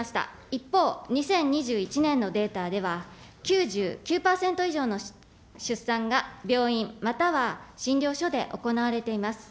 一方、２０２１年のデータでは、９９％以上の出産が病院、または診療所で行われています。